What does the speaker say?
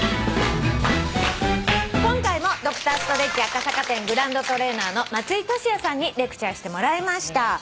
今回もＤｒ．ｓｔｒｅｔｃｈ赤坂店グランドトレーナーの松居俊弥さんにレクチャーしてもらいました。